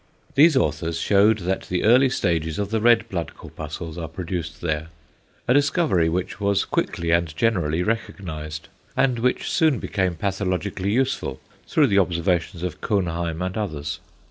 These authors showed that the early stages of the red blood corpuscles are produced there; a discovery which was quickly and generally recognised, and which soon became pathologically useful through the observations of Cohnheim and others.